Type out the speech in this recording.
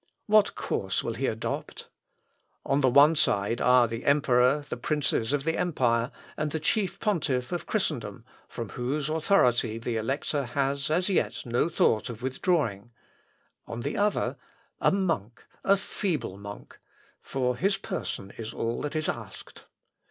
What course will he adopt? On the one side are the emperor, the princes of the empire, and the chief pontiff of Christendom, from whose authority the Elector has as yet no thought of withdrawing; on the other, a monk, a feeble monk; for his person is all that is asked.